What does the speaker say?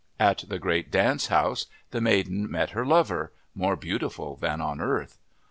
At the great dance house the maiden met her lover, more beautiful than on earth.